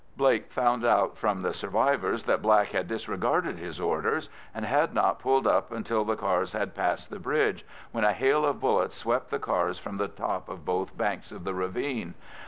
Blake found out from the survivors that Black had disregarded his orders, and had not pulled up until the cars had passed the bridge, when a hail of bullets swept the cars from the top of both banks of the ravine.